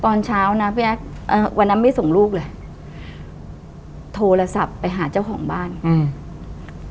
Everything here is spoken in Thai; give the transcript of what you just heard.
ตอนเช้านะพี่แอคเอ่อวันนั้นไม่ส่งลูกเลยโทรศัพท์ไปหาเจ้าของบ้านอืม